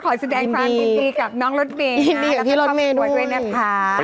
ก็ขอแสดงความคุ้นดีกับน้องรถเมย์นะแล้วก็ขอบคุณก่อนด้วยนะคะยินดีกับพี่รถเมย์ด้วย